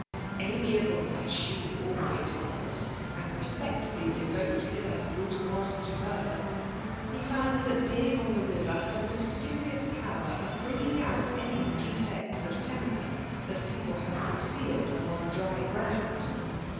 Amiable as she always was, and respectfully devoted as Bruce was to her, he found that being on the river has a mysterious power of bringing out any defects of temper that people have concealed when on dry ground.